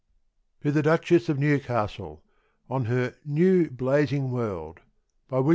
To The Duchesse of Newcastle, On Her New Blazing World.